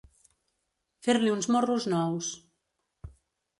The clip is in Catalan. Fer-li uns morros nous.